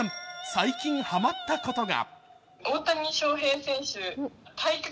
最近ハマったことが。